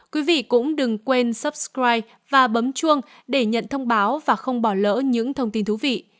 quý vị cũng đừng quên supsky và bấm chuông để nhận thông báo và không bỏ lỡ những thông tin thú vị